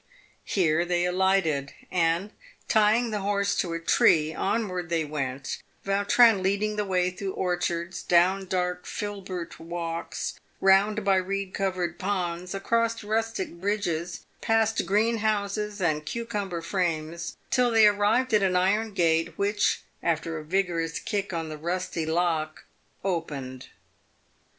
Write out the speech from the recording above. Here they alighted, and, tying the horse to a tree, onward they went, Vautrin leading the way through orchards, down dark filbert walks, round by reed covered ponds, across rustic bridges, past green houses^and cucumber frames, till they arrived at an iron gate which, after a vigorous kick on the rusty lock, opened.